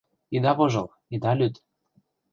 Ида вожыл, ида лӱд